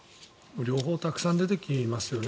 両方たくさん出てきますよね。